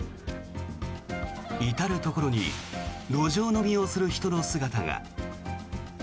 至るところに路上飲みをする人の姿が。